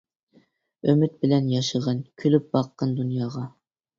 ئۈمىد بىلەن ياشىغىن، كۈلۈپ باققىن دۇنياغا.